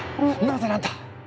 なぜなんだ。